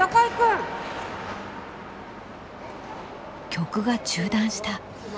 曲が中断した。